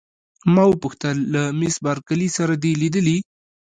ما وپوښتل: له مس بارکلي سره دي لیدلي؟